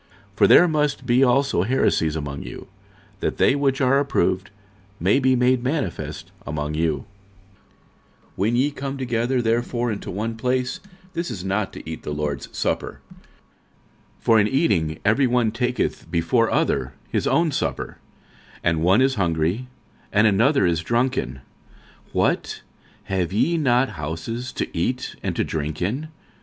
46:011:019 For there must be also heresies among you, that they which are approved may be made manifest among you. 46:011:020 When ye come together therefore into one place, this is not to eat the Lord's supper. 46:011:021 For in eating every one taketh before other his own supper: and one is hungry, and another is drunken. 46:011:022 What? have ye not houses to eat and to drink in?